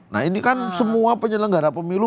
nah ini kan semua penyelenggara pemilu